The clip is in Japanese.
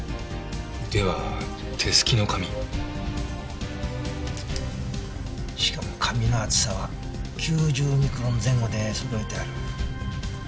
では手すきの紙？しかも紙の厚さは９０ミクロン前後で揃えてある。